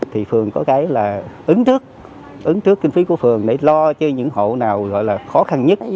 thì phường có cái là ứng trước ứng trước kinh phí của phường để lo cho những hội nào khó khăn nhất